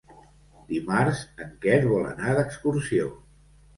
Dimarts en Quer vol anar d'excursió.